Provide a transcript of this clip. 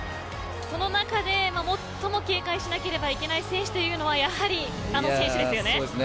その中で最も警戒しなければいけない選手というのはやはり、あの選手ですよね。